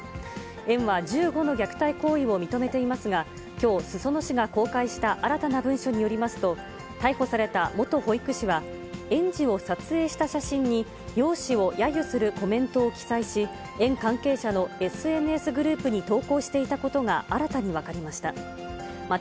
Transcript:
園は１５の虐待行為を認めていますが、きょう、裾野市が公開した新たな文書によりますと、逮捕された元保育士は、園児を撮影した写真に、容姿をやゆするコメントを記載し、園関係者のＳＮＳグループに投稿していたことが、新たに分かりました。